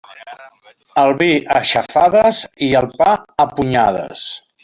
El vi a xafades i el pa a punyades.